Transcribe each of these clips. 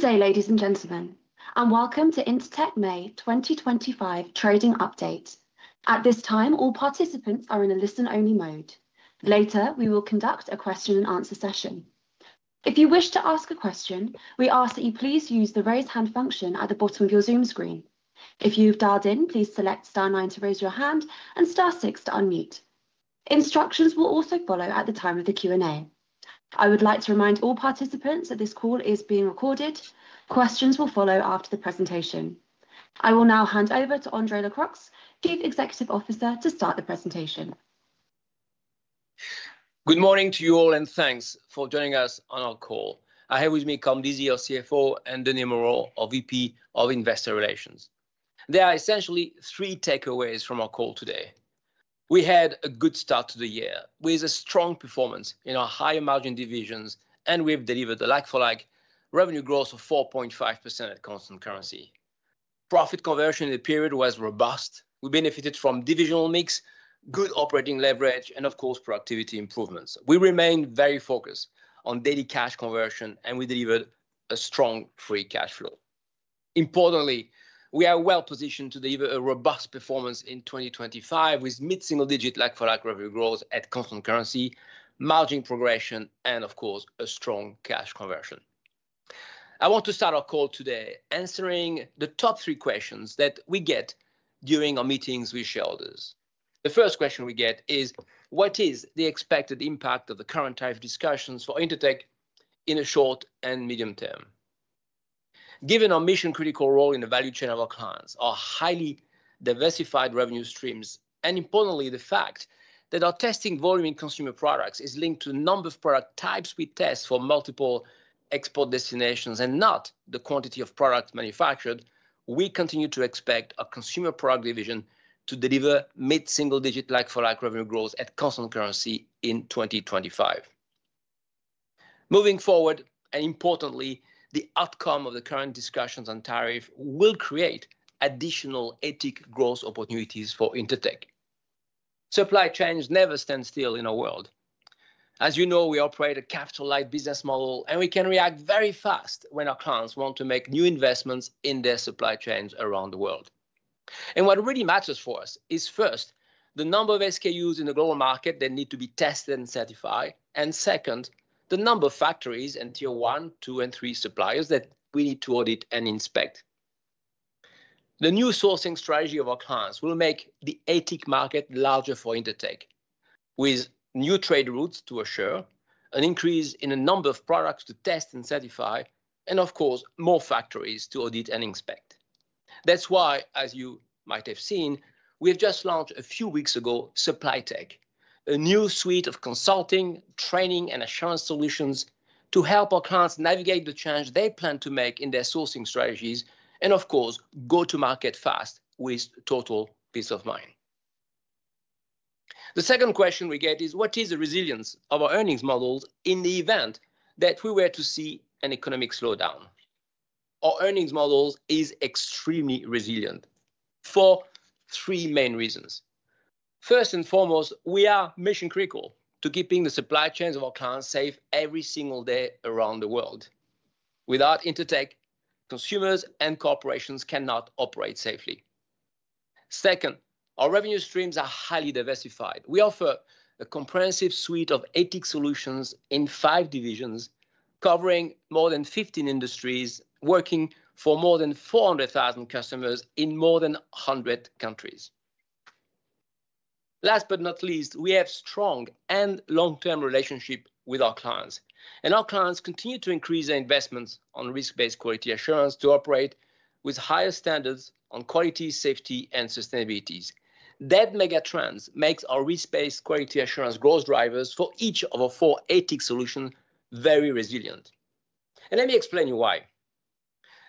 Good day, ladies and gentlemen, and welcome to Intertek May 2025 Trading Update. At this time, all participants are in a listen-only mode. Later, we will conduct a question-and-answer session. If you wish to ask a question, we ask that you please use the raise hand function at the bottom of your Zoom screen. If you've dialed in, please select star nine to raise your hand and star six to unmute. Instructions will also follow at the time of the Q&A. I would like to remind all participants that this call is being recorded. Questions will follow after the presentation. I will now hand over to André Lacroix, Chief Executive Officer, to start the presentation. Good morning to you all, and thanks for joining us on our call. I have with me Colm Deasy, our CFO, and Danis Moreau, our VP of Investor Relations. There are essentially three take-aways from our call today. We had a good start to the year, with a strong performance in our high-emerging divisions, and we've delivered a like-for-like revenue growth of 4.5% at constant currency. Profit conversion in the period was robust. We benefited from divisional mix, good operating leverage, and, of course, productivity improvements. We remain very focused on daily cash conversion, and we delivered a strong free cash flow. Importantly, we are well positioned to deliver a robust performance in 2025 with mid-single-digit like-for-like revenue growth at constant currency, margin progression, and, of course, a strong cash conversion. I want to start our call today answering the top three questions that we get during our meetings with shareholders. The first question we get is, what is the expected impact of the current tariff discussions for Intertek in the short and medium term? Given our mission-critical role in the value chain of our clients, our highly diversified revenue streams, and importantly, the fact that our testing volume in Consumer Products is linked to the number of product types we test for multiple export destinations and not the quantity of product manufactured, we continue to expect our Consumer Products division to deliver mid-single-digit like-for-like revenue growth at constant currency in 2025. Moving forward, and importantly, the outcome of the current discussions on tariff will create additional ATIC growth opportunities for Intertek. Supply chains never stand still in our world. As you know, we operate a capital-light business model, and we can react very fast when our clients want to make new investments in their supply chains around the world. What really matters for us is, first, the number of SKUs in the global market that need to be tested and certified, and second, the number of factories and tier one, two, and three suppliers that we need to audit and inspect. The new sourcing strategy of our clients will make the ATIC market larger for Intertek, with new trade routes to assure, an increase in the number of products to test and certify, and, of course, more factories to audit and inspect. That's why, as you might have seen, we've just launched, a few weeks ago, SupplyTek, a new suite of consulting, training, and assurance solutions to help our clients navigate the change they plan to make in their sourcing strategies and, of course, go to market fast with total peace of mind. The second question we get is, what is the resilience of our earnings models in the event that we were to see an economic slowdown? Our earnings model is extremely resilient for three main reasons. First and foremost, we are mission-critical to keeping the supply chains of our clients safe every single day around the world. Without Intertek, consumers and corporations cannot operate safely. Second, our revenue streams are highly diversified. We offer a comprehensive suite of ATIC solutions, in five divisions, covering more than 15 industries, working for more than 400,000 customers in more than 100 countries. Last but not least, we have strong and long-term relationships with our clients, and our clients continue to increase their investments on risk-based quality assurance to operate with higher standards on quality, safety, and sustainability. That mega-trend makes our Risk-based Quality Assurance growth drivers for each of our four ATIC solutions very resilient. Let me explain you why.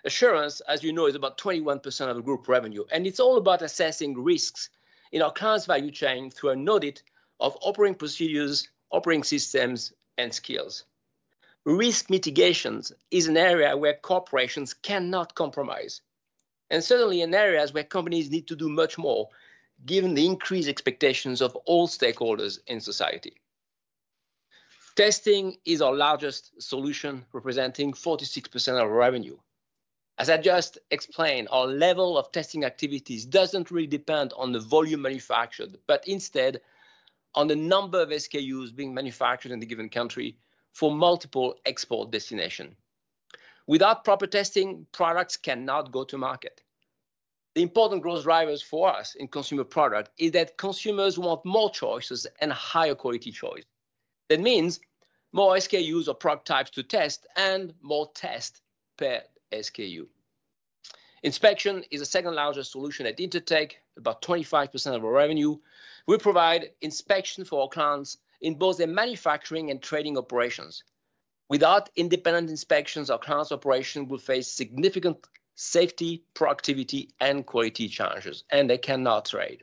Assurance, as you know, is about 21% of the Group revenue, and it's all about assessing risks in our clients' value chain through an audit of operating procedures, operating systems, and skills. Risk mitigation is an area where corporations cannot compromise, and certainly in areas where companies need to do much more given the increased expectations of all stakeholders in society. Testing is our largest solution, representing 46% of our revenue. As I just explained, our level of testing activities doesn't really depend on the volume manufactured, but instead on the number of SKUs being manufactured in the given country for multiple export destinations. Without proper testing, products cannot go to market. The important growth drivers for us in consumer products is that consumers want more choices and a higher quality choice. That means more SKUs or product types to test and more tests per SKU. Inspection is the second largest solution at Intertek, about 25% of our revenue. We provide inspection for our clients in both their manufacturing and trading operations. Without independent inspections, our clients' operations will face significant safety, productivity, and quality challenges, and they cannot trade.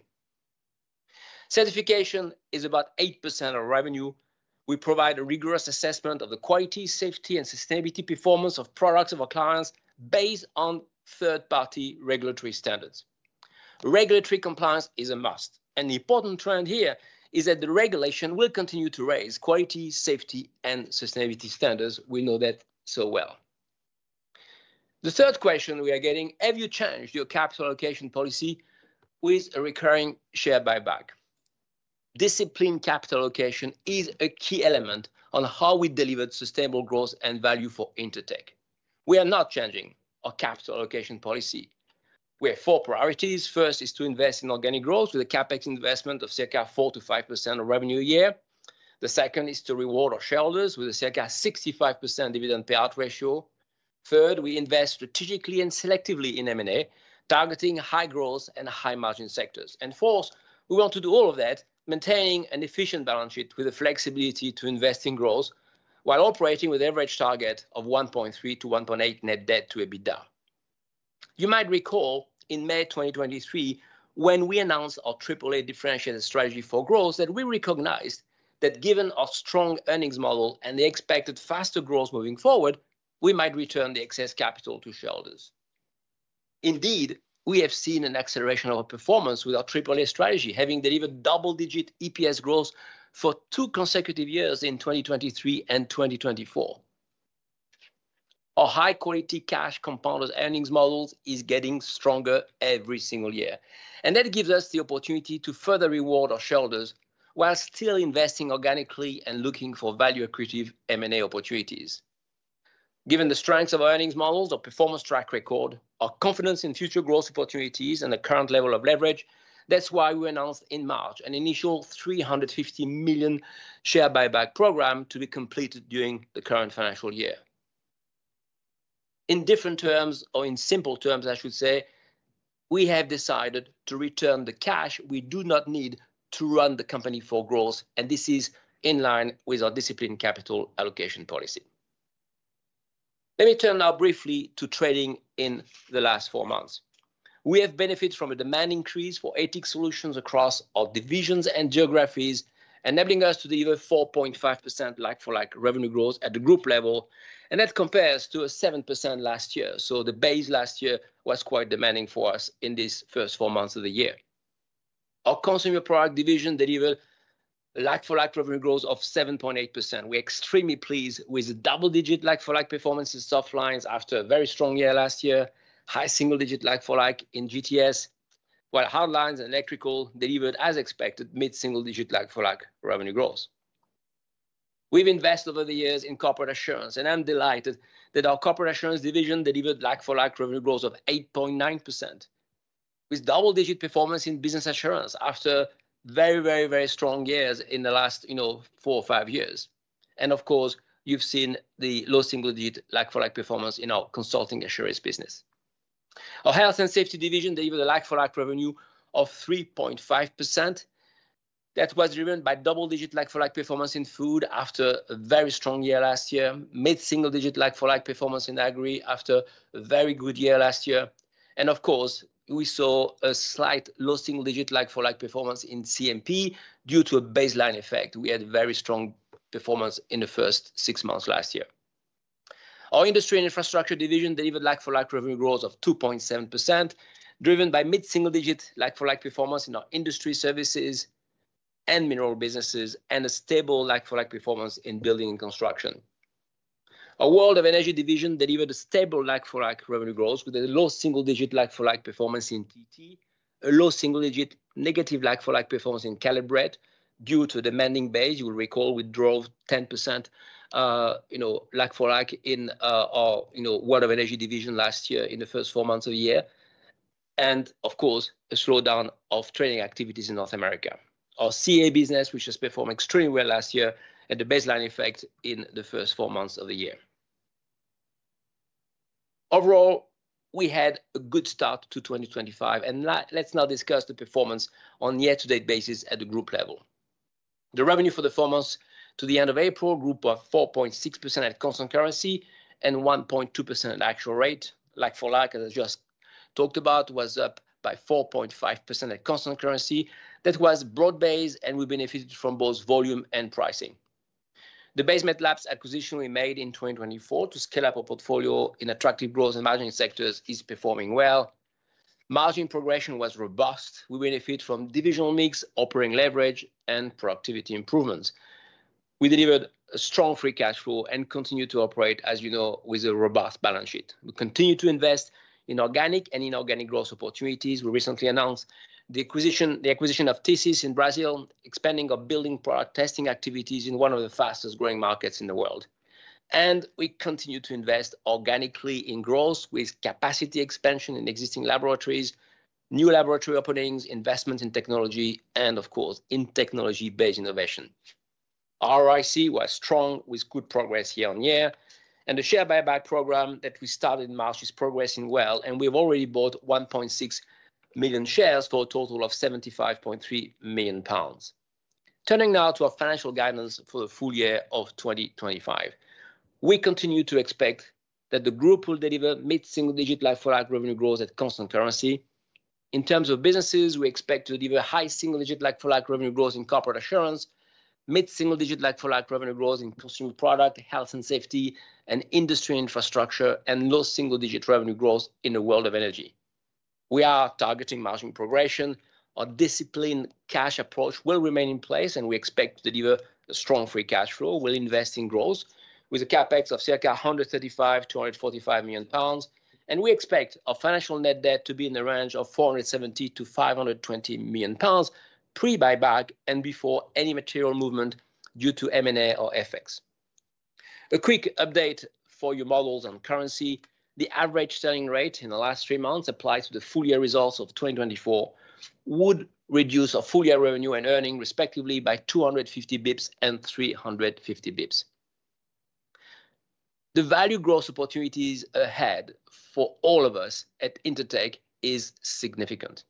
Certification is about 8% of revenue. We provide a rigorous assessment of the quality, safety, and sustainability performance of products of our clients based on third-party regulatory standards. Regulatory compliance is a must, and the important trend here is that the regulation will continue to raise quality, safety, and sustainability standards. We know that so well. The third question we are getting: have you changed your capital allocation policy with a recurring share buyback? Disciplined capital allocation is a key element on how we delivered sustainable growth and value for Intertek. We are not changing our capital allocation policy. We have four priorities. First is to invest in organic growth with a Capex investment of circa 4%-5% of revenue a year. The second is to reward our shareholders with a circa 65% dividend pay-out ratio. Third, we invest strategically and selectively in M&A, targeting high growth and high margin sectors. Fourth, we want to do all of that, maintaining an efficient balance sheet with the flexibility to invest in growth while operating with an average target of 1.3-1.8 Net Debt to EBITDA. You might recall in May 2023, when we announced our triple-A differentiated strategy for growth, that we recognized that given our strong earnings model and the expected faster growth moving forward, we might return the excess capital to shareholders. Indeed, we have seen an acceleration of our performance with our triple-A strategy, having delivered double-digit EPS growth for two consecutive years in 2023 and 2024. Our high-quality cash compounded earnings model is getting stronger every single year, and that gives us the opportunity to further reward our shareholders while still investing organically and looking for value-accretive M&A opportunities. Given the strengths of our earnings models, our performance track record, our confidence in future growth opportunities, and the current level of leverage, that's why we announced in March an initial 350 million share buyback program to be completed during the current financial year. In different terms, or in simple terms, I should say, we have decided to return the cash we do not need to run the company for growth, and this is in line with our disciplined capital allocation policy. Let me turn now briefly to trading in the last four months. We have benefited from a demand increase for ATIC solutions across our divisions and geographies, enabling us to deliver 4.5% like-for-like revenue growth at the group level, and that compares to 7% last year. The base last year was quite demanding for us in these first four months of the year. Our Consumer Products division delivered like-for-like revenue growth of 7.8%. We're extremely pleased with the double-digit like-for-like performance in soft lines after a very strong year last year, high single-digit like-for-like in GTS, while hard lines and electrical delivered, as expected, mid-single-digit like-for-like revenue growth. We've invested over the years in Corporate Assurance, and I'm delighted that our Corporate Assurance division delivered like-for-like revenue growth of 8.9% with double-digit performance in Business Assurance after very, very, very strong years in the last four or five years. Of course, you've seen the low single-digit like-for-like performance in our Consulting Assurance business. Our Health and Safety division delivered a like-for-like revenue of 3.5%. That was driven by double-digit like-for-like performance in Food after a very strong year last year, mid-single-digit like-for-like performance in Agri after a very good year last year. Of course, we saw a slight low single-digit like-for-like performance in CMP due to a baseline effect. We had very strong performance in the first six months last year. Our Industry and Infrastructure division delivered like-for-like revenue growth of 2.7%, driven by mid-single-digit like-for-like performance in our Industry Services and Mineral businesses and a stable like-for-like performance in Building and Construction. Our World of Energy division delivered a stable like-for-like revenue growth with a low single-digit like-for-like performance in TT, a low single-digit negative like-for-like performance in Caleb Brett due to a demanding base. You will recall we drove 10% like-for-like in our World of Energy division last year in the first four months of the year, and a slowdown of trading activities in North America. Our CA business, which has performed extremely well last year, had the baseline effect in the first four months of the year. Overall, we had a good start to 2025, and let's now discuss the performance on a year-to-date basis at the group level. The revenue for the four months to the end of April grew by 4.6% at constant currency and 1.2% at actual rate. Like-for-like, as I just talked about, was up by 4.5% at constant currency. That was broad-based, and we benefited from both volume and pricing. The Base Met Labs acquisition we made in 2024 to scale up our portfolio in attractive growth and margin sectors is performing well. Margin progression was robust. We benefited from divisional mix, operating leverage, and productivity improvements. We delivered a strong free cash flow and continue to operate, as you know, with a robust balance sheet. We continue to invest in organic and inorganic growth opportunities. We recently announced the acquisition of Tesis in Brazil, expanding our building product testing activities in one of the fastest growing markets in the world. We continue to invest organically in growth with capacity expansion in existing laboratories, new laboratory openings, investment in technology, and of course, in technology-based innovation. Our ROIC was strong with good progress year-on-year, and the share buyback program that we started in March is progressing well, and we have already bought 1.6 million shares for a total of 75.3 million pounds. Turning now to our financial guidance for the full year of 2025, we continue to expect that the group will deliver mid-single-digit like-for-like revenue growth at constant currency. In terms of businesses, we expect to deliver high single-digit like-for-like revenue growth in Corporate Assurance, mid-single-digit like-for-like revenue growth in Consumer Products, Health and Safety, and Industry and Infrastructure, and low single-digit revenue growth in the World of Energy. We are targeting margin progression. Our disciplined cash approach will remain in place, and we expect to deliver a strong free cash flow. We'll invest in growth with a CapEx of 135 million-145 million pounds, and we expect our financial net debt to be in the range of 470 million-520 million pounds pre-buyback and before any material movement due to M&A or FX. A quick update for your models on currency. The average selling rate in the last three months applies to the full year results of 2024, which would reduce our full year revenue and earnings respectively by 250 basis points and 350 basis points. The value growth opportunities ahead for all of us at Intertek are significant.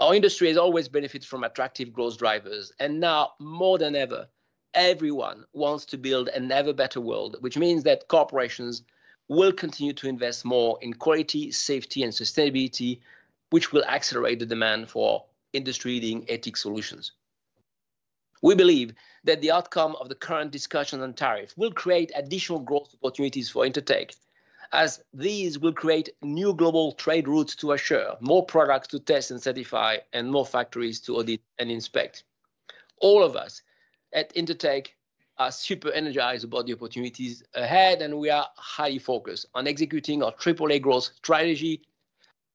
Our industry has always benefited from attractive growth drivers, and now more than ever, everyone wants to build an ever better world, which means that corporations will continue to invest more in quality, safety, and sustainability, which will accelerate the demand for industry-leading ATIC solutions. We believe that the outcome of the current discussion on tariffs will create additional growth opportunities for Intertek, as these will create new global trade routes to assure more products to test and certify, and more factories to audit and inspect. All of us at Intertek are super energized about the opportunities ahead, and we are highly focused on executing our triple-A growth strategy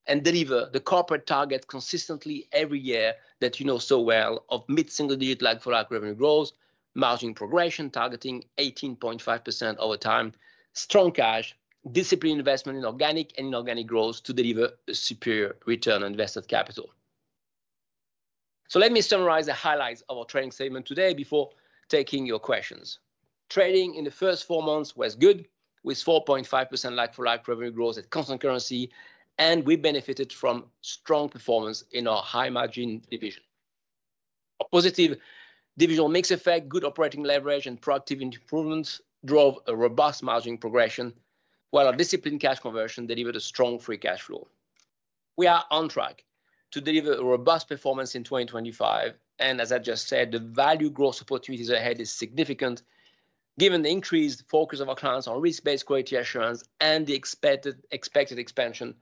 and delivering the corporate target consistently every year that you know so well of mid-single-digit like-for-like revenue growth, margin progression targeting 18.5% over time, strong cash, disciplined investment in organic and inorganic growth to deliver a superior return on invested capital. Let me summarize the highlights of our trading statement today before taking your questions. Trading in the first four months was good with 4.5% like-for-like revenue growth at constant currency, and we benefited from strong performance in our high margin division. Our positive divisional mix effect, good operating leverage, and productive improvements drove a robust margin progression, while our disciplined cash conversion delivered a strong free cash flow. We are on track to deliver a robust performance in 2025, and as I just said, the value growth opportunities ahead are significant given the increased focus of our clients on risk-based quality assurance and the expected expansion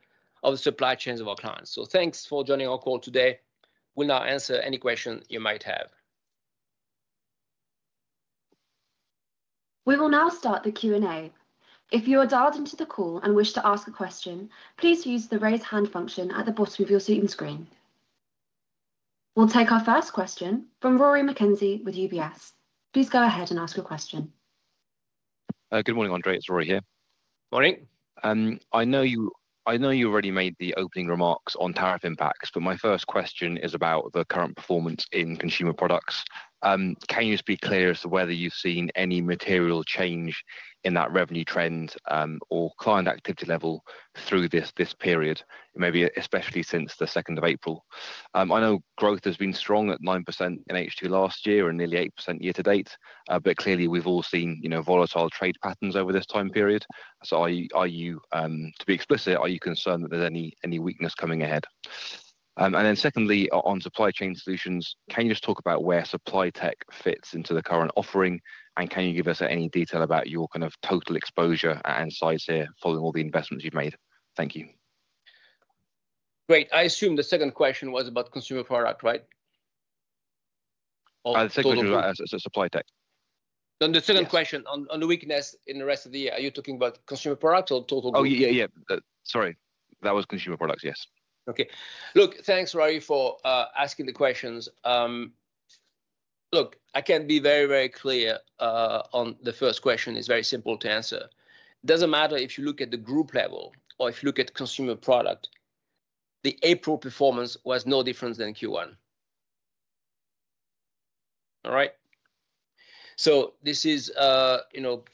of the supply chains of our clients. Thanks for joining our call today. We'll now answer any questions you might have. We will now start the Q&A. If you are dialed into the call and wish to ask a question, please use the raise hand function at the bottom of your screen. We'll take our first question from Rory McKenzie with UBS. Please go ahead and ask your question. Good morning, André. It's Rory here. Morning. I know you already made the opening remarks on tariff impacts, but my first question is about the current performance in consumer products. Can you just be clear as to whether you've seen any material change in that revenue trend or client activity level through this period, maybe especially since the 2nd of April? I know growth has been strong at 9% in H2 last year and nearly 8% year to date, but clearly we've all seen volatile trade patterns over this time period. Are you, to be explicit, are you concerned that there's any weakness coming ahead? Secondly, on supply chain solutions, can you just talk about where SupplyTek fits into the current offering, and can you give us any detail about your kind of total exposure and size here following all the investments you've made? Thank you. Great. I assume the second question was about consumer products, right? I'd say it was SupplyTek. On the second question, on the weakness in the rest of the year, are you talking about consumer products or total growth? Oh, yeah, yeah. Sorry. That was consumer products, yes. Okay. Look, thanks, Rory, for asking the questions. Look, I can be very, very clear on the first question is very simple to answer. It does not matter if you look at the group level or if you look at consumer products, the April performance was no different than Q1. All right? This is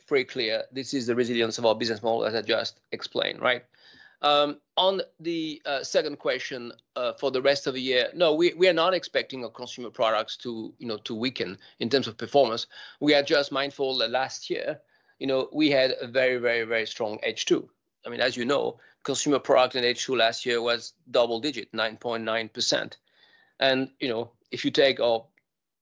pretty clear. This is the resilience of our business model as I just explained, right? On the second question for the rest of the year, no, we are not expecting our consumer products to weaken in terms of performance. We are just mindful that last year we had a very, very, very strong H2. I mean, as you know, Consumer Products in H2 last year was double-digit, 9.9%. If you take our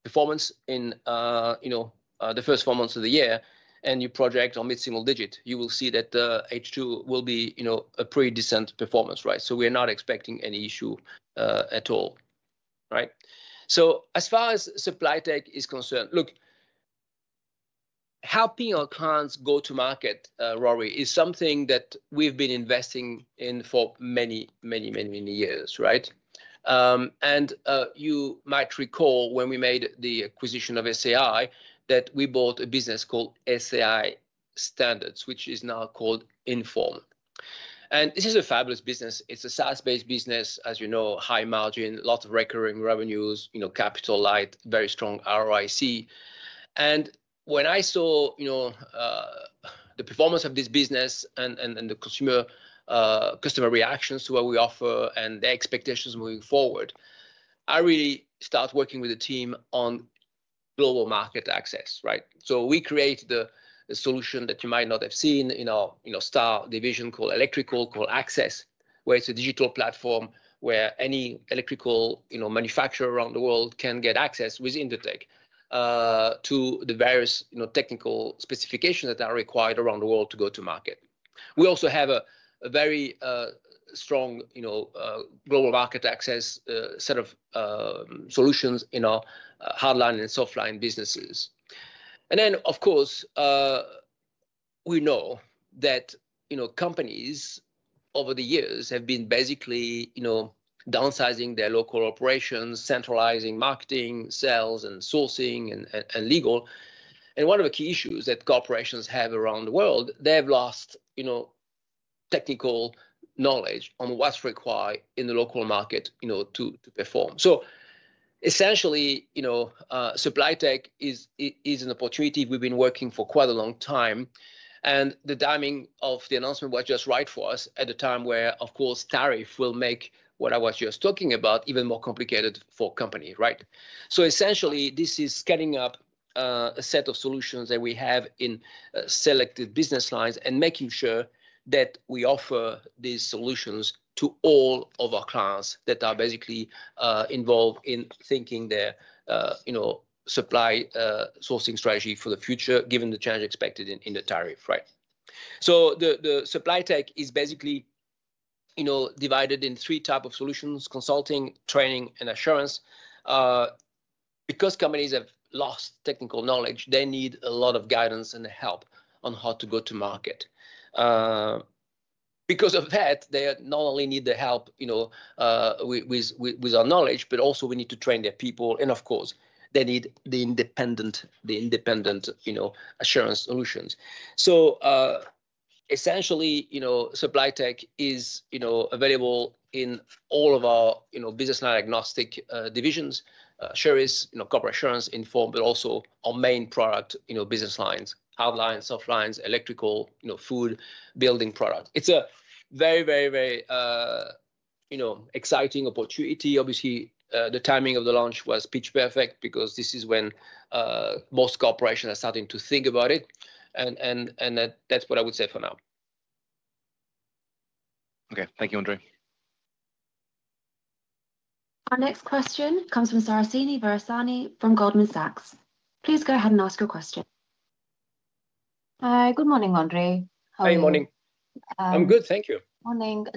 performance in the first four months of the year and you project on mid-single digit, you will see that H2 will be a pretty decent performance, right? We are not expecting any issue at all, right? As far as SupplyTek is concerned, look, helping our clients go to market, Rory, is something that we have been investing in for many, many, many, many years, right? You might recall when we made the acquisition of SAI that we bought a business called SAI Standards, which is now called Inform. This is a fabulous business. It is a SaaS-based business, as you know, high margin, lots of recurring revenues, capital light, very strong RIC. When I saw the performance of this business and the customer reactions to what we offer and the expectations moving forward, I really started working with the team on global market access, right? We created a solution that you might not have seen in our star division called Electrical, called Access, where it is a digital platform where any electrical manufacturer around the world can get access with Intertek to the various technical specifications that are required around the world to go to market. We also have a very strong global market access set of solutions in our hardline and softline businesses. Of course, we know that companies over the years have been basically downsizing their local operations, centralizing marketing, sales, and sourcing and legal. One of the key issues that corporations have around the world, they have lost technical knowledge on what's required in the local market to perform. Essentially, SupplyTek is an opportunity we've been working for quite a long time, and the timing of the announcement was just right for us at the time where, of course, tariff will make what I was just talking about even more complicated for companies, right? Essentially, this is scaling up a set of solutions that we have in selected business lines and making sure that we offer these solutions to all of our clients that are basically involved in thinking their supply sourcing strategy for the future, given the change expected in the tariff, right? SupplyTek is basically divided in three types of solutions: consulting, training, and assurance. Because companies have lost technical knowledge, they need a lot of guidance and help on how to go to market. Because of that, they not only need the help with our knowledge, but also we need to train their people, and of course, they need the independent assurance solutions. Essentially, SupplyTek is available in all of our business diagnostic divisions, assurance, corporate assurance, Inform, but also our main product business lines: hardline, softlines, electrical, food, building products. It's a very, very, very exciting opportunity. Obviously, the timing of the launch was pitch perfect because this is when most corporations are starting to think about it, and that's what I would say for now. Okay. Thank you, André. Our next question comes from Suhasini Varanasi from Goldman Sachs. Please go ahead and ask your question. Good morning, André. How are you? Hey, morning. I'm good, thank you. Morning.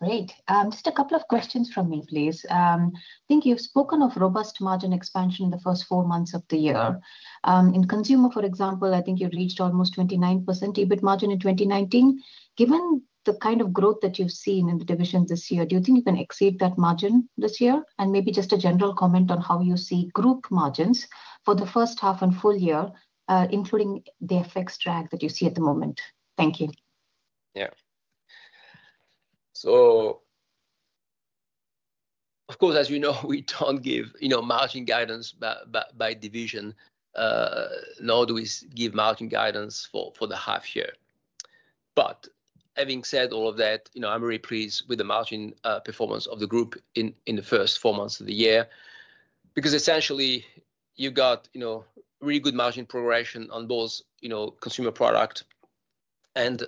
Great. Just a couple of questions from me, please. I think you've spoken of robust margin expansion in the first four months of the year. In consumer, for example, I think you reached almost 29% EBIT margin in 2019. Given the kind of growth that you've seen in the division this year, do you think you can exceed that margin this year? Maybe just a general comment on how you see group margins for the first half and full year, including the FX drag that you see at the moment. Thank you. Yeah. Of course, as you know, we don't give margin guidance by division. Nor do we give margin guidance for the half year. Having said all of that, I'm very pleased with the margin performance of the group in the first four months of the year because essentially, you got really good margin progression on both consumer products and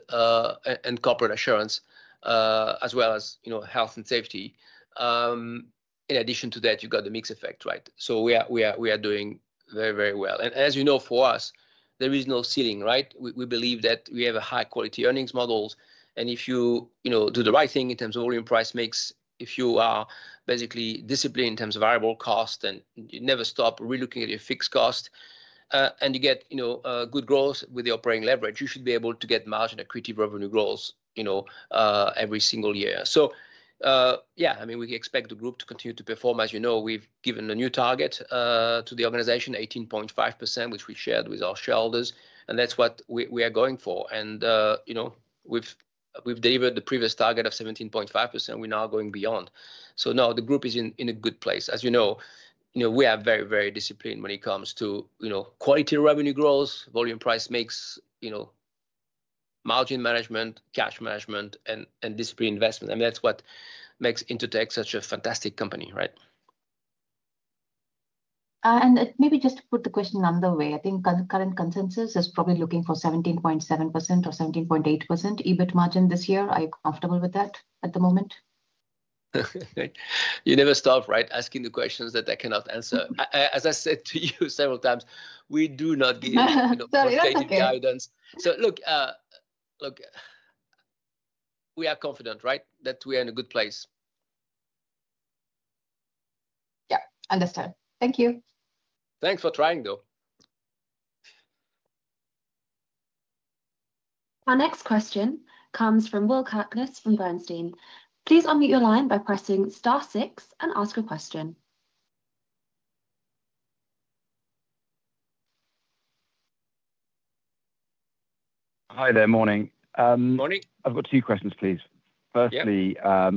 Corporate Assurance, as well as Health and Safety. In addition to that, you got the mix effect, right? We are doing very, very well. As you know, for us, there is no ceiling, right? We believe that we have high-quality earnings models, and if you do the right thing in terms of volume price mix, if you are basically disciplined in terms of variable cost and you never stop relooking at your fixed cost and you get good growth with the operating leverage, you should be able to get margin equity revenue growth every single year. Yeah, I mean, we expect the group to continue to perform. As you know, we've given a new target to the organization, 18.5%, which we shared with our shareholders, and that's what we are going for. We've delivered the previous target of 17.5%. We're now going beyond. The group is in a good place. As you know, we are very, very disciplined when it comes to quality revenue growth, volume price mix, margin management, cash management, and disciplined investment. That's what makes Intertek such a fantastic company, right? Maybe just to put the question another way, I think current consensus is probably looking for 17.7% or 17.8% EBIT margin this year. Are you comfortable with that at the moment? You never stop, right, asking the questions that I cannot answer. As I said to you several times, we do not give margin guidance. We are confident, right, that we are in a good place. Yeah, understood. Thank you. Thanks for trying, though. Our next question comes from Will Curtlis from Bernstein. Please unmute your line by pressing star six and ask a question. Hi there, morning. Morning. I've got two questions, please. Firstly, I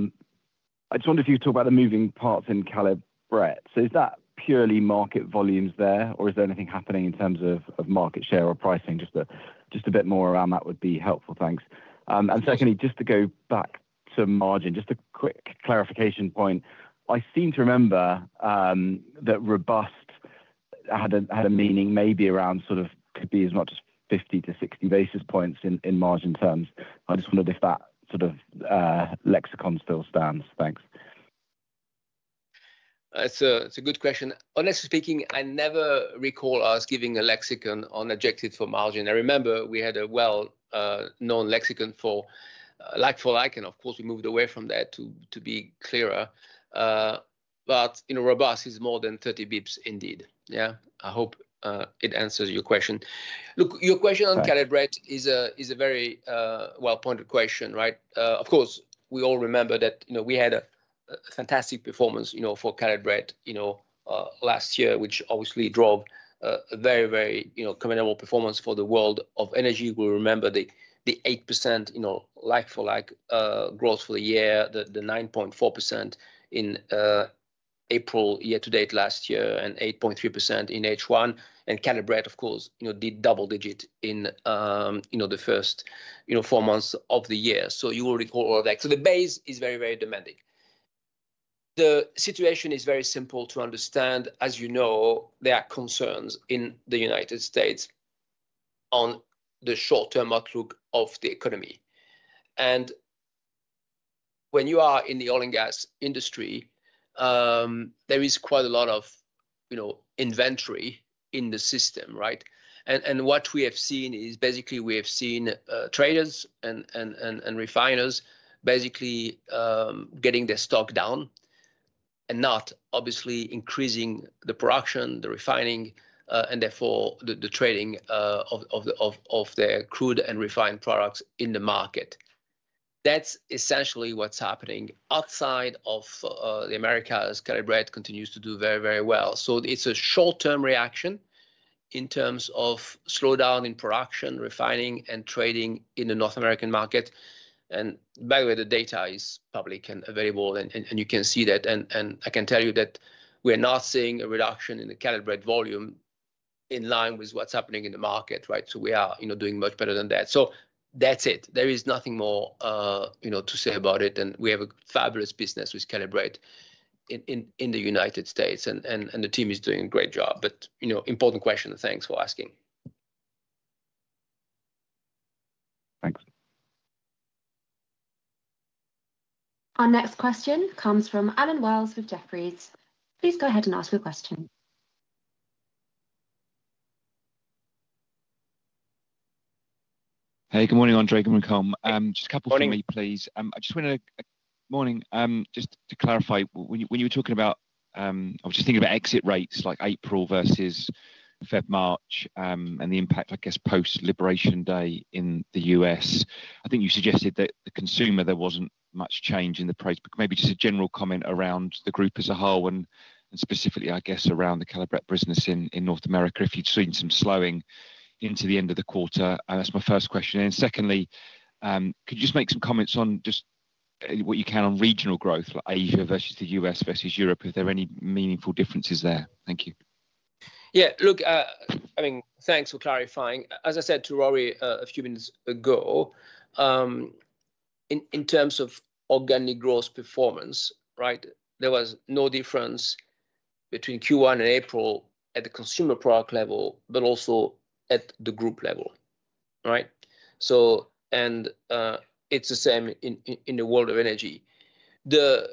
just wonder if you talk about the moving parts in Caleb Brett. So is that purely market volumes there, or is there anything happening in terms of market share or pricing? Just a bit more around that would be helpful, thanks. Secondly, just to go back to margin, just a quick clarification point. I seem to remember that robust had a meaning maybe around sort of could be as much as 50-60 basis points in margin terms. I just wondered if that sort of lexicon still stands. Thanks. It's a good question. Honestly speaking, I never recall us giving a lexicon on adjectives for margin. I remember we had a well-known lexicon for like-for-like, and of course, we moved away from that to be clearer. Robust is more than 30 basis points indeed. Yeah, I hope it answers your question. Look, your question on Caleb Brett is a very well-pointed question, right? Of course, we all remember that we had a fantastic performance for Caleb Brett last year, which obviously drove a very, very commendable performance for the World of Energy. We'll remember the 8% like-for-like growth for the year, the 9.4% in April year-to-date last year, and 8.3% in H1. Caleb Brett, of course, did double-digit in the first four months of the year. You will recall all that. The base is very, very demanding. The situation is very simple to understand. As you know, there are concerns in the United States on the short-term outlook of the economy. When you are in the oil and gas industry, there is quite a lot of inventory in the system, right? What we have seen is basically traders and refiners getting their stock down and not obviously increasing the production, the refining, and therefore the trading of their crude and refined products in the market. That is essentially what is happening outside of the Americas. Caleb Brett continues to do very, very well. It is a short-term reaction in terms of slowdown in production, refining, and trading in the North American market. By the way, the data is public and available, and you can see that. I can tell you that we are not seeing a reduction in the Caleb Brett volume in line with what is happening in the market, right? We are doing much better than that. That is it. There is nothing more to say about it. We have a fabulous business with Caleb Brett in the United States, and the team is doing a great job. Important question. Thanks for asking. Thanks. Our next question comes from Allen Wells with Jefferies. Please go ahead and ask your question. Hey, good morning, André. Good morning, Colm. Just a couple for me, please. I just wanted to—good morning. Just to clarify, when you were talking about—I was just thinking about exit rates, like April versus February, March, and the impact, I guess, post-Liberation Day in the U.S., I think you suggested that the consumer, there was not much change in the price. Maybe just a general comment around the group as a whole and specifically, I guess, around the Caleb Brett business in North America, if you had seen some slowing into the end of the quarter. That is my first question. And secondly, could you just make some comments on just what you can on regional growth, like Asia versus the U.S. versus Europe, if there are any meaningful differences there? Thank you. Yeah. Look, I mean, thanks for clarifying. As I said to Rory a few minutes ago, in terms of organic growth performance, right, there was no difference between Q1 and April at the consumer product level, but also at the group level, right? It is the same in the world of energy. The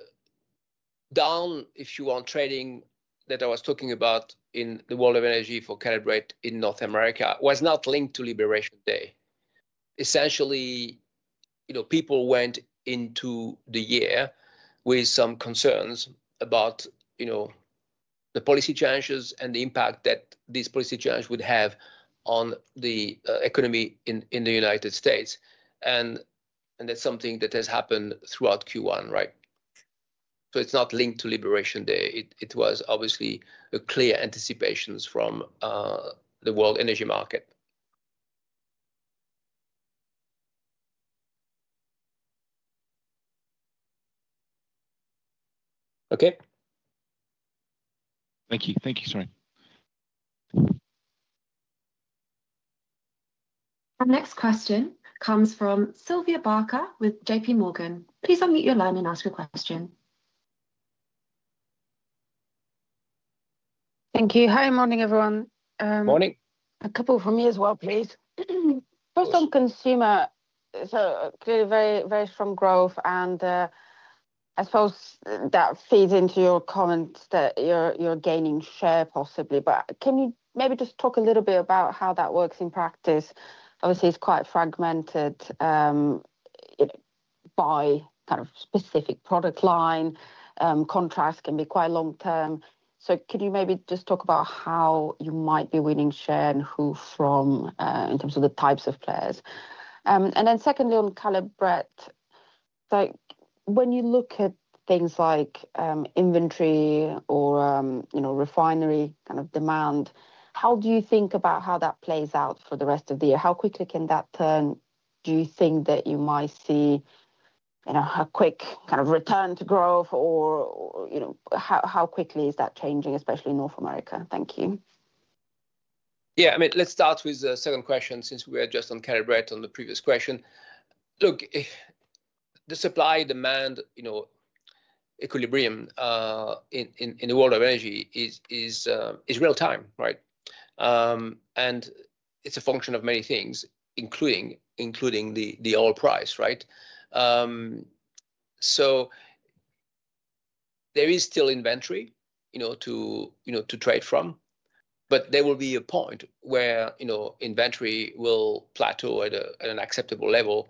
down, if you want, trading that I was talking about in the world of energy for Caleb Brett in North America was not linked to Liberation Day. Essentially, people went into the year with some concerns about the policy changes and the impact that these policy changes would have on the economy in the United States. That is something that has happened throughout Q1, right? It is not linked to Liberation Day. It was obviously clear anticipations from the world energy market. Okay. Thank you. Thank you. Sorry. Our next question comes from Sylvia Barker with JPMorgan. Please unmute your line and ask your question. Thank you. Hi, morning, everyone. Morning. A couple from me as well, please. First, on consumer, so clearly very strong growth. I suppose that feeds into your comments that you are gaining share possibly. Can you maybe just talk a little bit about how that works in practice? Obviously, it is quite fragmented by kind of specific product line. Contracts can be quite long-term. Could you maybe just talk about how you might be winning share and who from in terms of the types of players? Then secondly, on Caleb Brett, when you look at things like inventory or refinery kind of demand, how do you think about how that plays out for the rest of the year? How quickly can that turn? Do you think that you might see a quick kind of return to growth, or how quickly is that changing, especially in North America? Thank you. Yeah. I mean, let's start with the second question since we were just on Caleb Brett on the previous question. Look, the supply-demand equilibrium in the world of energy is real-time, right? It is a function of many things, including the oil price, right? There is still inventory to trade from. There will be a point where inventory will plateau at an acceptable level.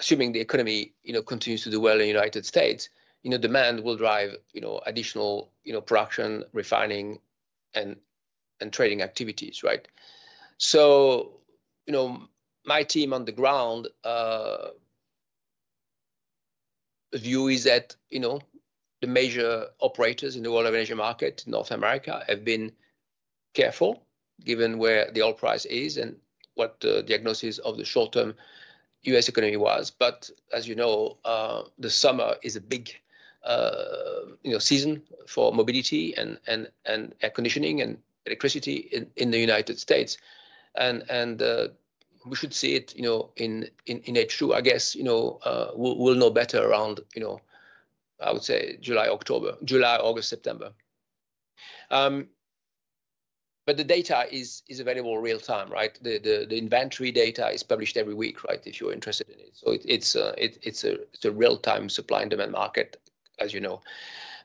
Assuming the economy continues to do well in the United States, demand will drive additional production, refining, and trading activities, right? My team on the ground view is that the major operators in the world of energy market, North America, have been careful given where the oil price is and what the diagnosis of the short-term U.S. economy was. As you know, the summer is a big season for mobility and air conditioning and electricity in the United States. We should see it in H2, I guess. We'll know better around, I would say, July, August, September. The data is available real-time, right? The inventory data is published every week, right, if you're interested in it. It is a real-time supply and demand market, as you know.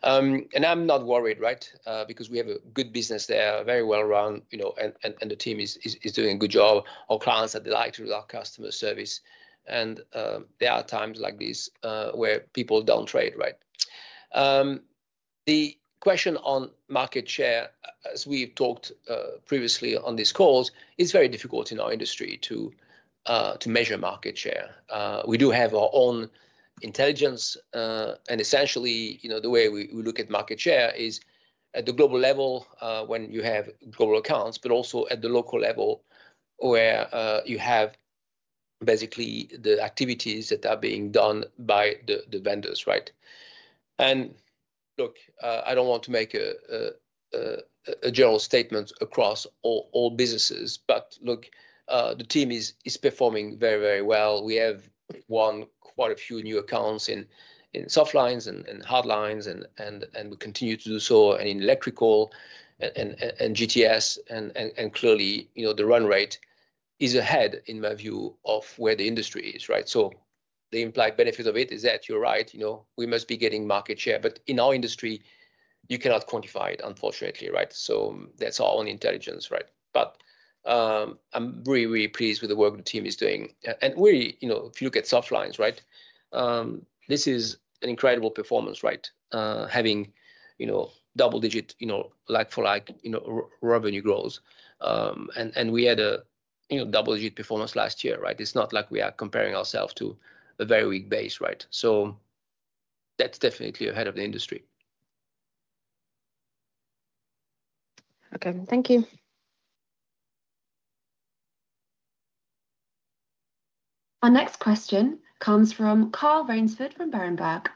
I'm not worried, right, because we have a good business there, very well-run, and the team is doing a good job. Our clients are delighted with our customer service. There are times like this where people do not trade, right? The question on market share, as we have talked previously on this call, is very difficult in our industry to measure market share. We do have our own intelligence. Essentially, the way we look at market share is at the global level when you have global accounts, but also at the local level where you have basically the activities that are being done by the vendors, right? Look, I do not want to make a general statement across all businesses, but look, the team is performing very, very well. We have won quite a few new accounts in soft lines and hard lines, and we continue to do so in electrical and GTS. Clearly, the run rate is ahead in my view of where the industry is, right? The implied benefit of it is that you are right. We must be getting market share. In our industry, you cannot quantify it, unfortunately, right? That is our own intelligence, right? I am really, really pleased with the work the team is doing. Really, if you look at soft lines, right, this is an incredible performance, right, having double-digit like-for-like revenue growth. We had a double-digit performance last year, right? It is not like we are comparing ourselves to a very weak base, right? That is definitely ahead of the industry. Okay. Thank you. Our next question comes from Carl Raynsford from Berenberg.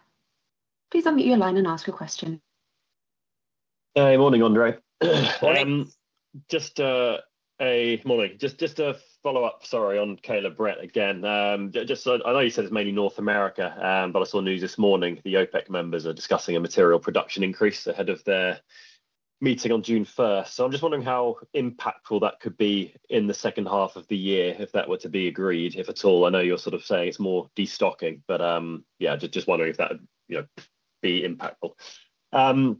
Please unmute your line and ask your question. Hey, morning, André. Morning. Just a follow-up, sorry, on Caleb Brett again. I know you said it is mainly North America, but I saw news this morning. The OPEC members are discussing a material production increase ahead of their meeting on June 1st. I'm just wondering how impactful that could be in the second half of the year if that were to be agreed, if at all. I know you're sort of saying it's more destocking, but yeah, just wondering if that would be impactful.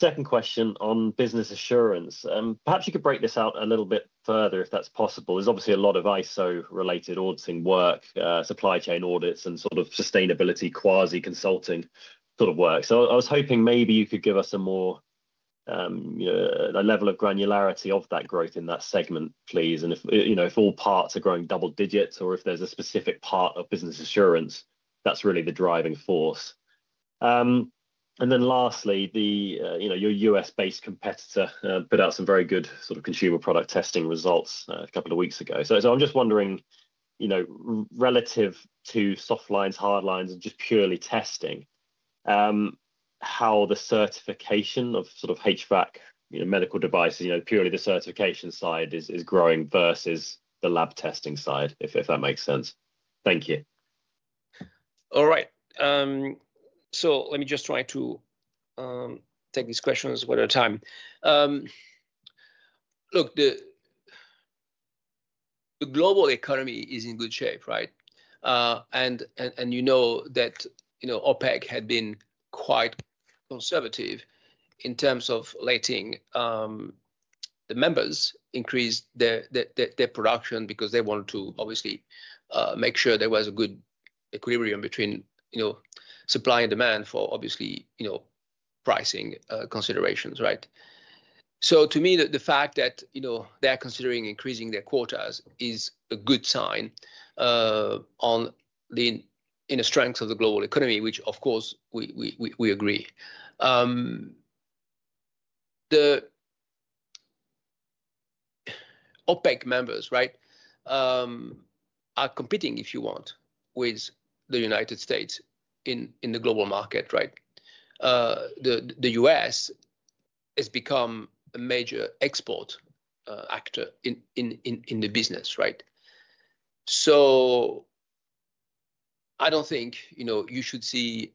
Second question on business assurance. Perhaps you could break this out a little bit further if that's possible. There's obviously a lot of ISO-related auditing work, supply chain audits, and sort of sustainability quasi-consulting sort of work. I was hoping maybe you could give us a more level of granularity of that growth in that segment, please. If all parts are growing double digits or if there's a specific part of business assurance that's really the driving force. Lastly, your U.S.-based competitor put out some very good sort of consumer product testing results a couple of weeks ago. So I'm just wondering, relative to soft lines, hard lines, and just purely testing, how the certification of sort of HVAC medical devices, purely the certification side, is growing versus the lab testing side, if that makes sense. Thank you. All right. Let me just try to take these questions one at a time. Look, the global economy is in good shape, right? You know that OPEC had been quite conservative in terms of letting the members increase their production because they wanted to obviously make sure there was a good equilibrium between supply and demand for obviously pricing considerations, right? To me, the fact that they are considering increasing their quotas is a good sign in the strength of the global economy, which, of course, we agree. The OPEC members, right, are competing, if you want, with the United States in the global market, right? The U.S. has become a major export actor in the business, right? I do not think you should see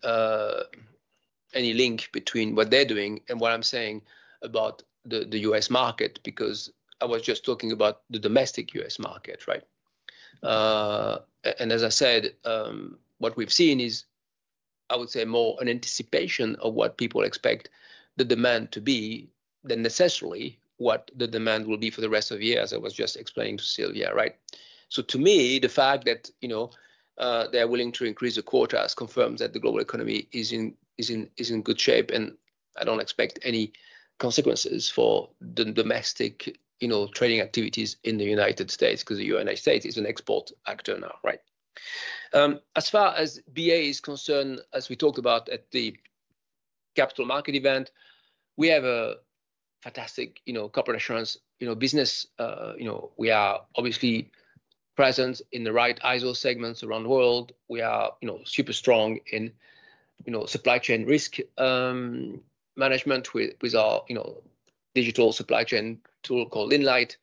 any link between what they are doing and what I am saying about the U.S. market because I was just talking about the domestic U.S. market, right? As I said, what we have seen is, I would say, more an anticipation of what people expect the demand to be than necessarily what the demand will be for the rest of the year, as I was just explaining to Sylvia, right? To me, the fact that they are willing to increase the quotas confirms that the global economy is in good shape. I do not expect any consequences for the domestic trading activities in the United States because the United States is an export actor now, right? As far as BA is concerned, as we talked about at the capital market event, we have a fantastic corporate assurance business. We are obviously present in the right ISO segments around the world. We are super strong in supply chain risk management with our digital supply chain tool called Inlight.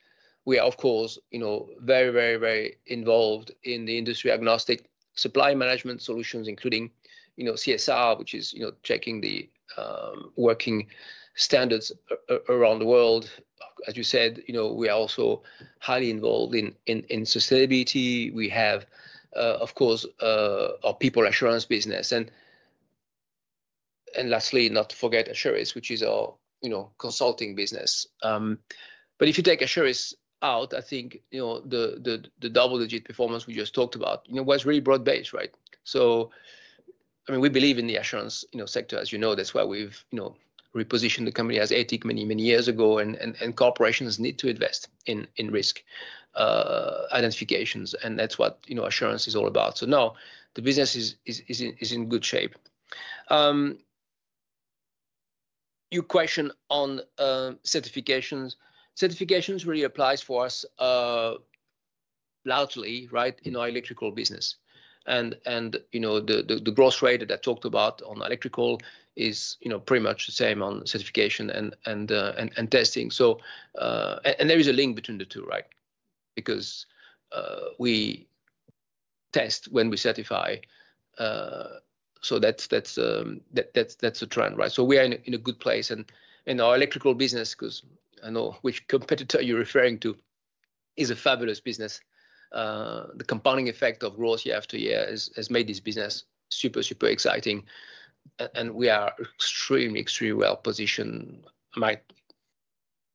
We are, of course, very, very, very involved in the industry-agnostic supply management solutions, including CSR, which is checking the working standards around the world. As you said, we are also highly involved in sustainability. We have, of course, our people assurance business. Lastly, not to forget Assuris, which is our consulting business. If you take Assuris out, I think the double-digit performance we just talked about was really broad-based, right? I mean, we believe in the assurance sector, as you know. That is why we have repositioned the company as ATIC many, many years ago. Corporations need to invest in risk identifications. That is what assurance is all about. No, the business is in good shape. Your question on certifications, certifications really applies for us largely, right, in our electrical business. The growth rate that I talked about on electrical is pretty much the same on certification and testing. There is a link between the two, right? Because we test when we certify. That is the trend, right? We are in a good place. Our electrical business, because I know which competitor you are referring to, is a fabulous business. The compounding effect of growth year after year has made this business super, super exciting. We are extremely, extremely well-positioned. I might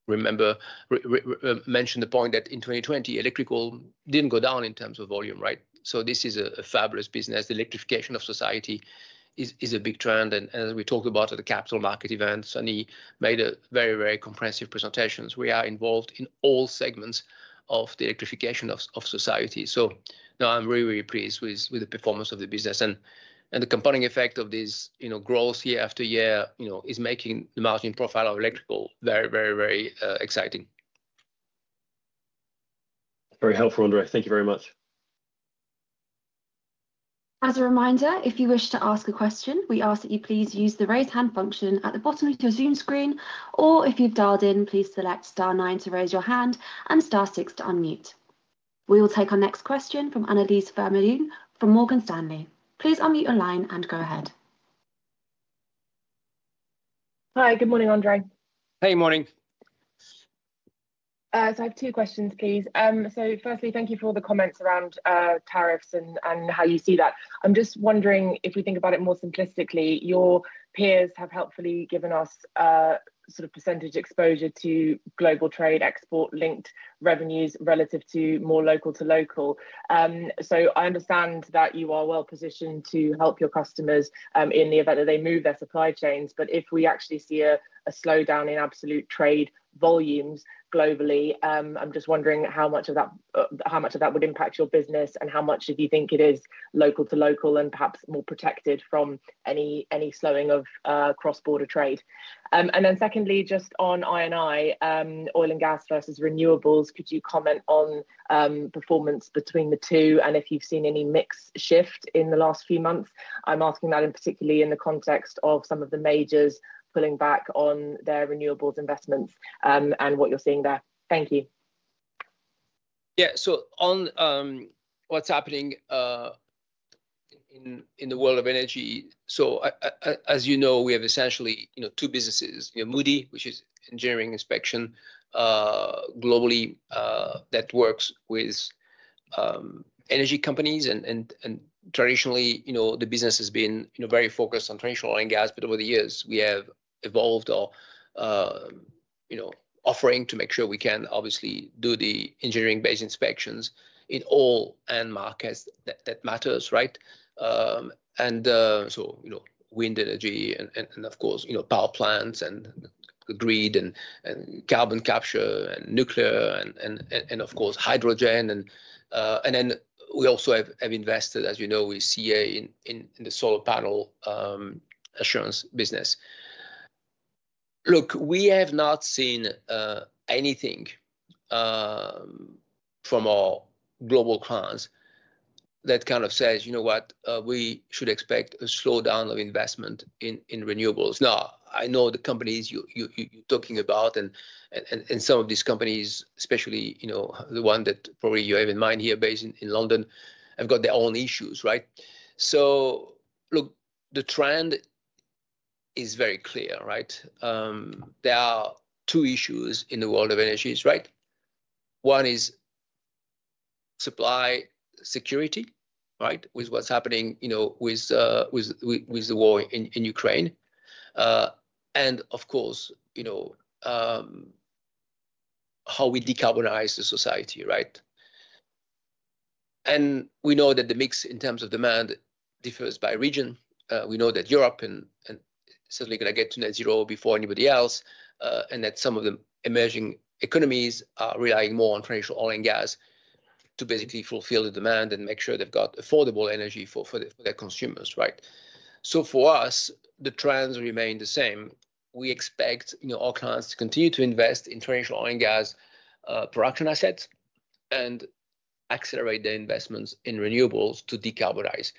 mention the point that in 2020, electrical did not go down in terms of volume, right? This is a fabulous business. The electrification of society is a big trend. As we talked about at the capital market event, Sunny made very, very comprehensive presentations. We are involved in all segments of the electrification of society. I am really, really pleased with the performance of the business. The compounding effect of this growth year after year is making the margin profile of electrical very, very, very exciting. Very helpful, André. Thank you very much. As a reminder, if you wish to ask a question, we ask that you please use the raise hand function at the bottom of your Zoom screen. If you have dialed in, please select star nine to raise your hand and star six to unmute. We will take our next question from Annelies Vermeulen from Morgan Stanley. Please unmute your line and go ahead. Hi. Good morning, André. Hey, morning. I have two questions, please. Firstly, thank you for all the comments around tariffs and how you see that. I'm just wondering if we think about it more simplistically, your peers have helpfully given us sort of percentage exposure to global trade export-linked revenues relative to more local to local. I understand that you are well-positioned to help your customers in the event that they move their supply chains. If we actually see a slowdown in absolute trade volumes globally, I'm just wondering how much of that would impact your business and how much you think is local to local and perhaps more protected from any slowing of cross-border trade. Secondly, just on I&I, oil and gas versus renewables, could you comment on performance between the two and if you've seen any mix shift in the last few months? I'm asking that particularly in the context of some of the majors pulling back on their renewables investments and what you're seeing there. Thank you. Yeah. On what's happening in the world of energy, as you know, we have essentially two businesses, Moody, which is engineering inspection globally that works with energy companies. Traditionally, the business has been very focused on traditional oil and gas, but over the years, we have evolved our offering to make sure we can obviously do the engineering-based inspections in all end markets that matter, right? Wind energy and, of course, power plants and grid and carbon capture and nuclear and, of course, hydrogen. We also have invested, as you know, with CA in the solar panel assurance business. Look, we have not seen anything from our global clients that kind of says, "You know what? We should expect a slowdown of investment in renewables." Now, I know the companies you're talking about and some of these companies, especially the one that probably you have in mind here based in London, have got their own issues, right? Look, the trend is very clear, right? There are two issues in the world of energy, right? One is supply security, right, with what's happening with the war in Ukraine. Of course, how we decarbonize the society, right? We know that the mix in terms of demand differs by region. We know that Europe is certainly going to get to net zero before anybody else. Some of the emerging economies are relying more on traditional oil and gas to basically fulfill the demand and make sure they've got affordable energy for their consumers, right? For us, the trends remain the same. We expect our clients to continue to invest in traditional oil and gas production assets and accelerate their investments in renewables to decarbonize.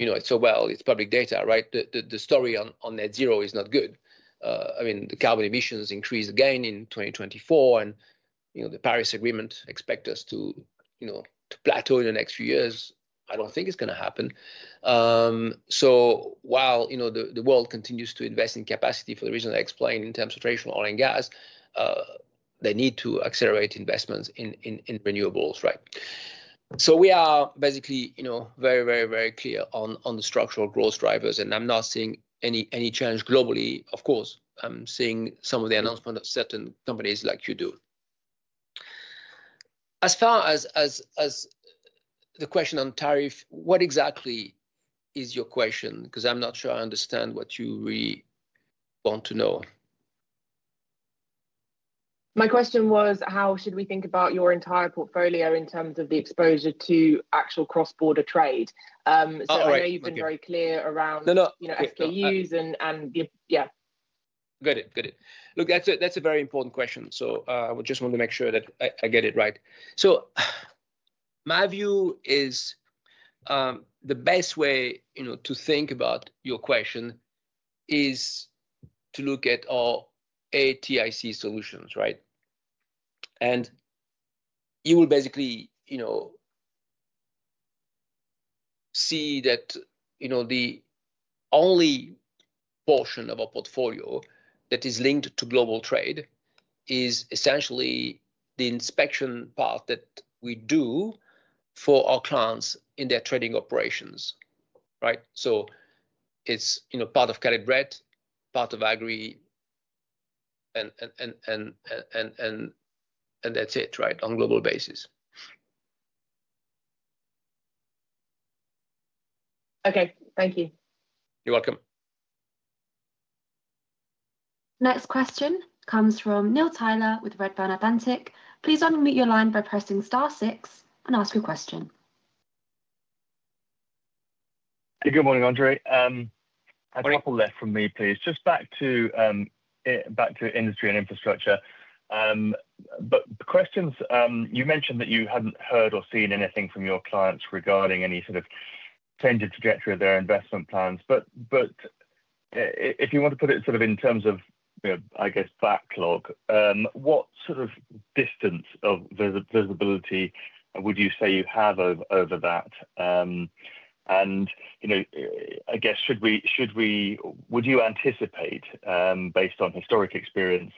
I mean, it is so, well, it is public data, right? The story on net zero is not good. I mean, the carbon emissions increased again in 2024. And the Paris Agreement expects us to plateau in the next few years. I do not think it is going to happen. While the world continues to invest in capacity for the reason I explained in terms of traditional oil and gas, they need to accelerate investments in renewables, right? We are basically very, very, very clear on the structural growth drivers. I am not seeing any change globally. Of course, I am seeing some of the announcement of certain companies like you do. As far as the question on tariff, what exactly is your question? Because I'm not sure I understand what you really want to know. My question was, how should we think about your entire portfolio in terms of the exposure to actual cross-border trade? I know you've been very clear around SKUs and yeah. Got it. Got it. Look, that's a very important question. I just want to make sure that I get it right. My view is the best way to think about your question is to look at our ATIC solutions, right? You will basically see that the only portion of our portfolio that is linked to global trade is essentially the inspection part that we do for our clients in their trading operations, right? It is part of Caleb Brett, part of Agri, and that's it, right, on a global basis. Okay. Thank you. You're welcome. Next question comes from Neil Tyler with Redburn Atlantic. Please unmute your line by pressing star six and ask your question. Good morning, André. A couple left for me, please. Just back to Industry and Infrastructure. The questions, you mentioned that you had not heard or seen anything from your clients regarding any sort of changing trajectory of their investment plans. If you want to put it sort of in terms of, I guess, backlog, what sort of distance of visibility would you say you have over that? I guess, would you anticipate, based on historic experience,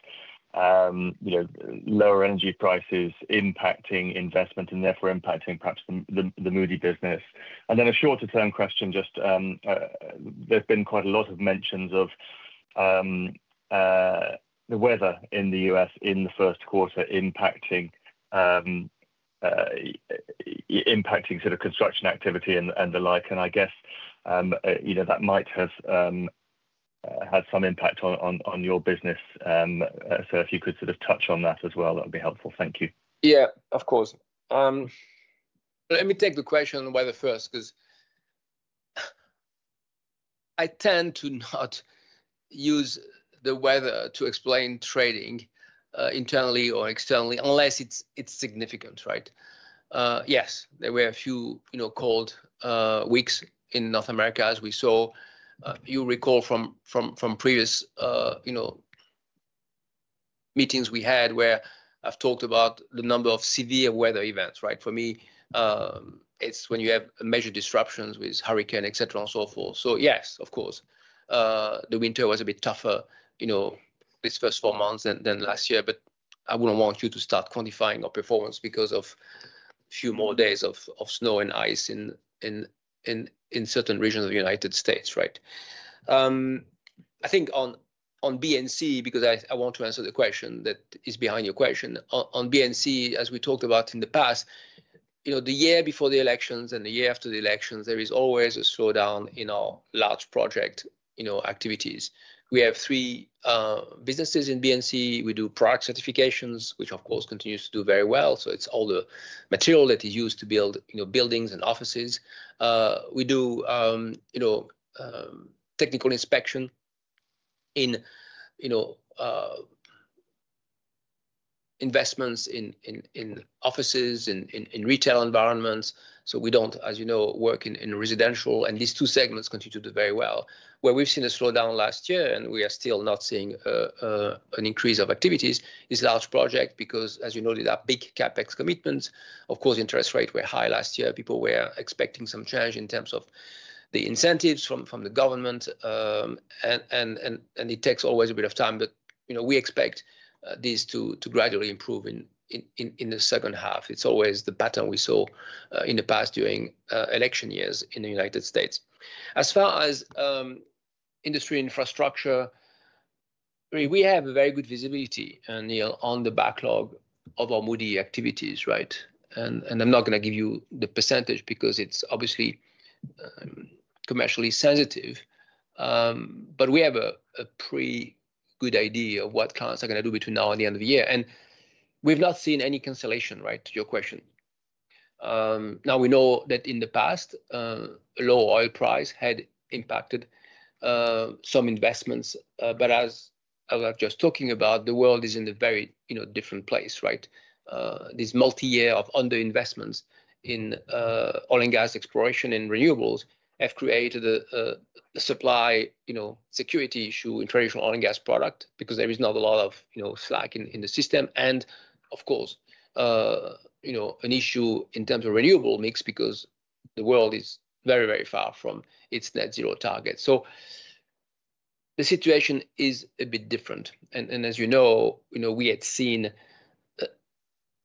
lower energy prices impacting investment and therefore impacting perhaps the Moody business? A shorter-term question, just there has been quite a lot of mentions of the weather in the U.S. in the first quarter impacting sort of construction activity and the like. I guess that might have had some impact on your business. If you could sort of touch on that as well, that would be helpful. Thank you. Yeah, of course. Let me take the question on weather first because I tend to not use the weather to explain trading internally or externally unless it is significant, right? Yes, there were a few cold weeks in North America, as we saw. You will recall from previous meetings we had where I have talked about the number of severe weather events, right? For me, it is when you have major disruptions with hurricane, etc., and so forth. Yes, of course, the winter was a bit tougher this first four months than last year. I would not want you to start quantifying our performance because of a few more days of snow and ice in certain regions of the United States, right? I think on BNC, because I want to answer the question that is behind your question, on BNC, as we talked about in the past, the year before the elections and the year after the elections, there is always a slowdown in our large project activities. We have three businesses in BNC. We do product certifications, which, of course, continues to do very well. It is all the material that is used to build buildings and offices. We do technical inspection in investments in offices, in retail environments. We do not, as you know, work in residential. These two segments continue to do very well. Where we have seen a slowdown last year, and we are still not seeing an increase of activities, is large projects because, as you know, there are big CapEx commitments. Of course, interest rates were high last year. People were expecting some change in terms of the incentives from the government. It takes always a bit of time. We expect this to gradually improve in the second half. It is always the pattern we saw in the past during election years in the United States. As far as Industry and Infrastructure, we have very good visibility, Neil, on the backlog of our Moody activities, right? I am not going to give you the percentage because it is obviously commercially sensitive. We have a pretty good idea of what clients are going to do between now and the end of the year. We have not seen any cancellation, right, to your question. We know that in the past, a low oil price had impacted some investments. As I was just talking about, the world is in a very different place, right? This multi-year of under-investments in oil and gas exploration and renewables have created a supply security issue in traditional oil and gas product because there is not a lot of slack in the system. Of course, an issue in terms of renewable mix because the world is very, very far from its net zero target. The situation is a bit different. As you know, we had seen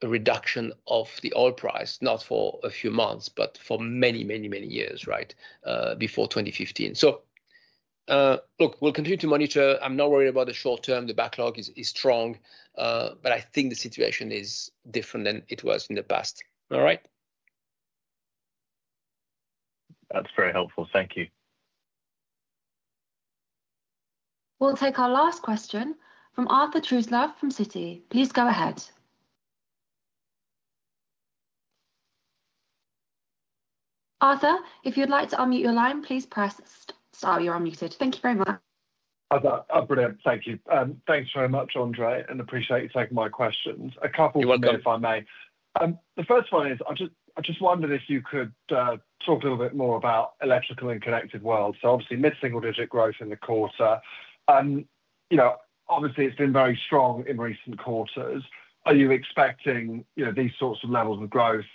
a reduction of the oil price, not for a few months, but for many, many, many years, right, before 2015. Look, we'll continue to monitor. I'm not worried about the short term. The backlog is strong. I think the situation is different than it was in the past, all right? That's very helpful. Thank you. We'll take our last question from Arthur Truslove from Citi. Please go ahead. Arthur, if you'd like to unmute your line, please press start. You're unmuted. Thank you very much. Brilliant. Thank you. Thanks very much, André, and appreciate you taking my questions. A couple of them, if I may. The first one is I just wondered if you could talk a little bit more about electrical and connected worlds. Obviously, mid-single-digit growth in the quarter. Obviously, it's been very strong in recent quarters. Are you expecting these sorts of levels of growth,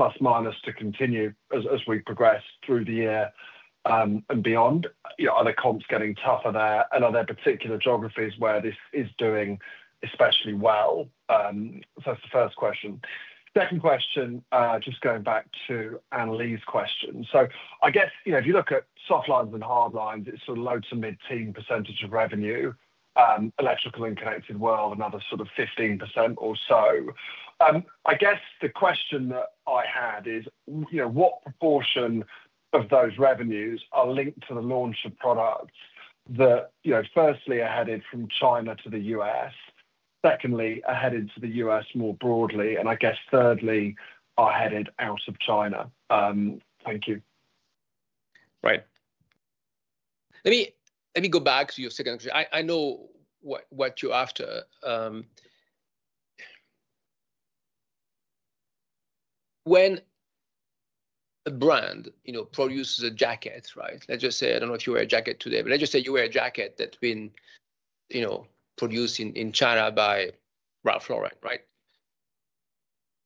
plus minus, to continue as we progress through the year and beyond? Are the comps getting tougher there? Are there particular geographies where this is doing especially well? That's the first question. Second question, just going back to Annelies's question. I guess if you look at soft lines and hard lines, it's sort of low to mid-teen % of revenue, electrical and connected world, another sort of 15% or so. I guess the question that I had is, what proportion of those revenues are linked to the launch of products that, firstly, are headed from China to the U.S.? Secondly, are headed to the U.S. more broadly? And I guess, thirdly, are headed out of China? Thank you. Right. Let me go back to your second question. I know what you're after. When a brand produces a jacket, right? Let's just say, I don't know if you wear a jacket today, but let's just say you wear a jacket that's been produced in China by Ralph Lauren, right?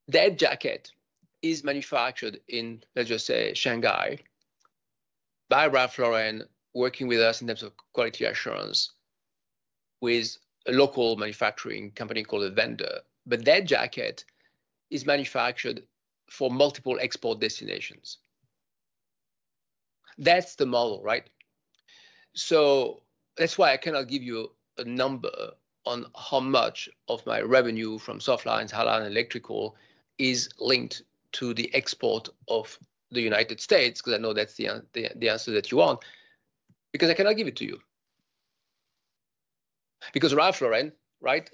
That jacket is manufactured in, let's just say, Shanghai by Ralph Lauren, working with us in terms of quality assurance with a local manufacturing company called a vendor. That jacket is manufactured for multiple export destinations. That's the model, right? That's why I cannot give you a number on how much of my revenue from soft lines, hard lines, electrical is linked to the export of the United States because I know that's the answer that you want, because I cannot give it to you. Ralph Lauren, right,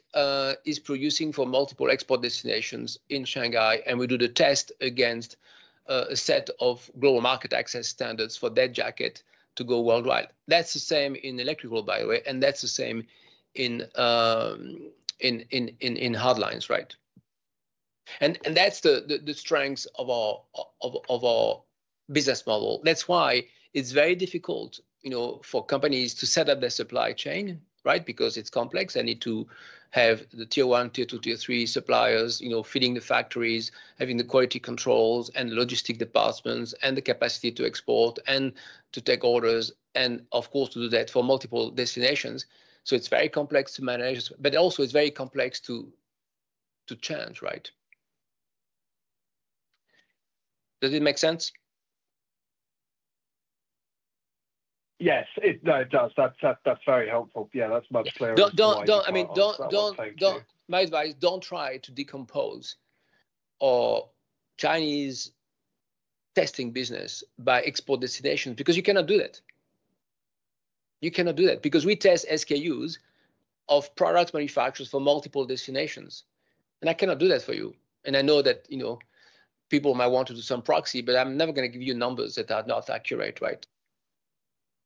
is producing for multiple export destinations in Shanghai, and we do the test against a set of global market access standards for that jacket to go worldwide. That's the same in electrical, by the way, and that's the same in hard lines, right? That's the strength of our business model. That's why it's very difficult for companies to set up their supply chain, right, because it's complex. They need to have the tier one, tier two, tier three suppliers feeding the factories, having the quality controls and logistic departments and the capacity to export and to take orders and, of course, to do that for multiple destinations. It is very complex to manage. It is also very complex to change, right? Does it make sense? Yes, it does. That's very helpful. Yeah, that's much clearer. I mean, my advice: don't try to decompose our Chinese testing business by export destinations because you cannot do that. You cannot do that because we test SKUs of product manufacturers for multiple destinations. I cannot do that for you. I know that people might want to do some proxy, but I'm never going to give you numbers that are not accurate, right?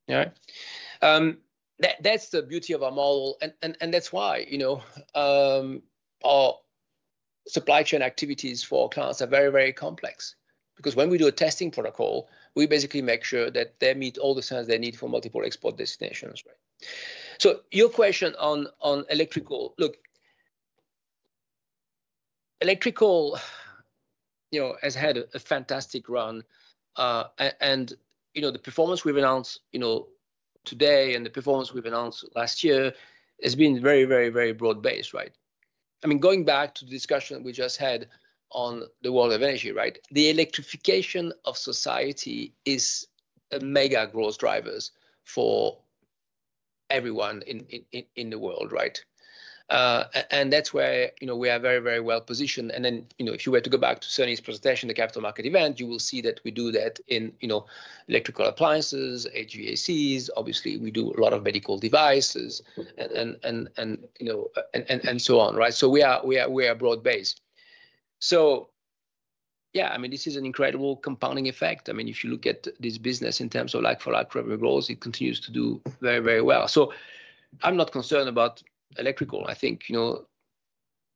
All right? That is the beauty of our model. That is why our supply chain activities for our clients are very, very complex because when we do a testing protocol, we basically make sure that they meet all the standards they need for multiple export destinations, right? Your question on electrical, look, electrical has had a fantastic run. The performance we have announced today and the performance we have announced last year has been very, very, very broad-based, right? I mean, going back to the discussion we just had on the world of energy, the electrification of society is a mega growth driver for everyone in the world, right? That is where we are very, very well positioned. If you were to go back to Sony's presentation, the capital market event, you will see that we do that in electrical appliances, HVACs. Obviously, we do a lot of medical devices and so on, right? We are broad-based. Yeah, I mean, this is an incredible compounding effect. I mean, if you look at this business in terms of forward-growth and growth, it continues to do very, very well. I am not concerned about electrical. I think the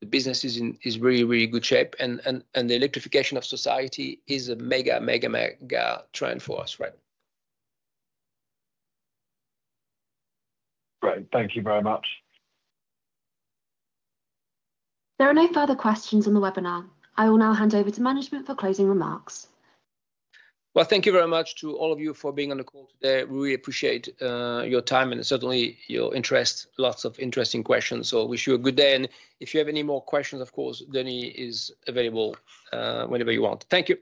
business is in really, really good shape. The electrification of society is a mega, mega, mega-trend for us, right? Thank you very much. There are no further questions on the webinar. I will now hand over to management for closing remarks. Thank you very much to all of you for being on the call today. We really appreciate your time and certainly your interest, lots of interesting questions. I wish you a good day. If you have any more questions, of course, Denny is available whenever you want. Thank you.